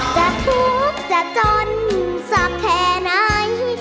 จะทุกข์จะจนสักแค่ไหน